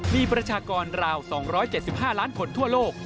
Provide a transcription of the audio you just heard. มีประชากรราว๒๗๕ล้านคนทั่วโลก